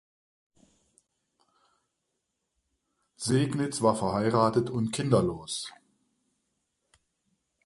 Segnitz war verheiratet und kinderlos.